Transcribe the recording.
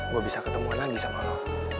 gue bisa ketemu lagi sama lo